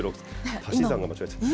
足し算が間違えちゃった。